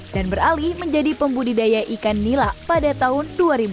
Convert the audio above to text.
dan beralih menjadi pembudidaya ikan nila pada tahun dua ribu sepuluh